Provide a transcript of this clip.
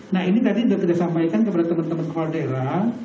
nah ini tadi sudah disampaikan kepada teman teman kepala daerah